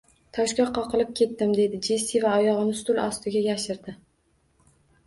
Toshga qoqilib ketdim, dedi Jessi va oyog`ini stul ostiga yashirdi